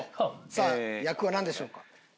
さあ役はなんでしょうか？